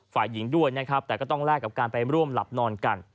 ฝ่ายหญิงด้วยนะครับแต่ก็ต้องแลกกับการไปร่วมหลับนอนกัน